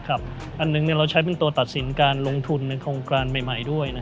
อันหนึ่งเราใช้เป็นตัวตัดสินการลงทุนในโครงการใหม่ด้วย